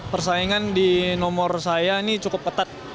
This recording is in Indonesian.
persaingan di nomor saya ini cukup ketat